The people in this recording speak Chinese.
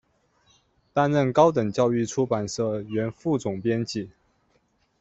担任高等教育出版社原副总编辑。